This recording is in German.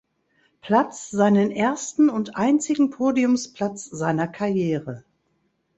Platz seinen ersten und einzigen Podiumsplatz seiner Karriere.